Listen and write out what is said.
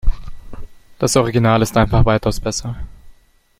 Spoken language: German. Das Original ist einfach weitaus besser.